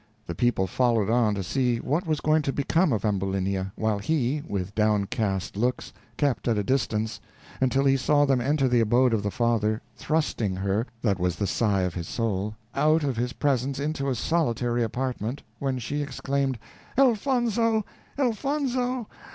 The people followed on to see what was going to become of Ambulinia, while he, with downcast looks, kept at a distance, until he saw them enter the abode of the father, thrusting her, that was the sigh of his soul, out of his presence into a solitary apartment, when she exclaimed, "Elfonzo! Elfonzo!